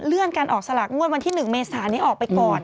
เลื่อนกันออกสลักงวดวันที่๑เมษฐานนี้ออกไปก่อน